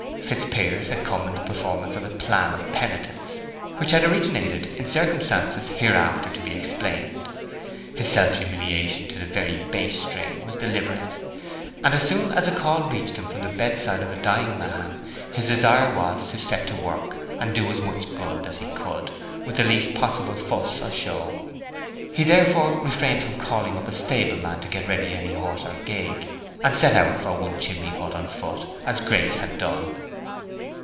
Fitzpiers had come in the performance of a plan of penitence, which had originated in circumstances hereafter to be explained; his self humiliation to the very bass string was deliberate; and as soon as a call reached him from the bedside of a dying man his desire was to set to work and do as much good as he could with the least possible fuss or show. He therefore refrained from calling up a stableman to get ready any horse or gig, and set out for One chimney Hut on foot, as Grace had done.